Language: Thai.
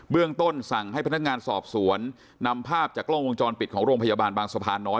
เรื่องต้นสั่งให้พนักงานสอบสวนนำภาพจากกล้องวงจรปิดของโรงพยาบาลบางสะพานน้อย